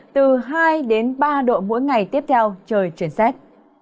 từ hai đến ba độ mỗi ngày tiếp theo trời chuyển rét